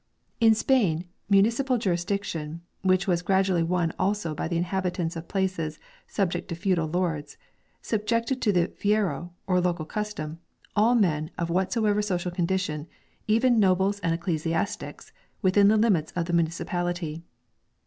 2 In Spain municipal jurisdiction, which was gradually won also by the inhabitants of places subject to feudal lords, subjected to the "fuero" (or local custom) all men of whatsoever social condition, even nobles and ecclesiastics, within the limits of the muni cipality.